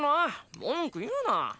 文句言うな！